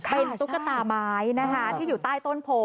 เป็นดุ๊กตาไม้ที่อยู่ใต้ต้นโผ